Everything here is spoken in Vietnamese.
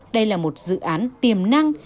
đây là một dự án tiềm năng